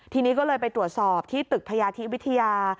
ทีนี้ก็เลยไปตรวจสอบที่ตึกพยาธิวิทยา